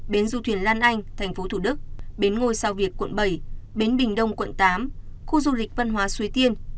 bến du thuyền lan anh tp thủ đức bến ngôi sao việt quận bảy bến bình đông quận tám khu du lịch văn hóa xuê tiên